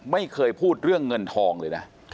ไม่เคยพูดเรื่องเงินทองเลยนะ